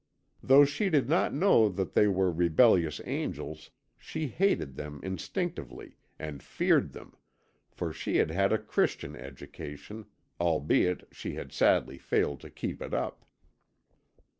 Though she did not know that they were rebellious angels, she hated them instinctively, and feared them, for she had had a Christian education, albeit she had sadly failed to keep it up.